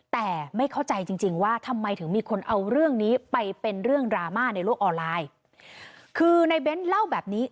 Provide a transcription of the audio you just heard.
แต่ไม่เข้าใจจริงจริงว่าทำไมถึงมีคนเอาเรื่องนี้ไปเป็นเรื่องดราม่าในโลกออนไลน์คือในเบ้นเล่าแบบนี้